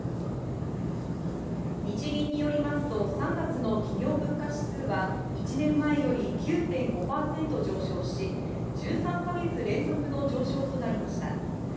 日銀によりますと、３月の企業物価指数は、１年前より９．５％上昇し、１３か月連続の上昇となりました。